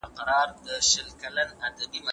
مکناتن د جګړې په جریان کې حیران پاتې شو.